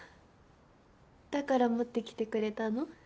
だから持ってきてくれたの？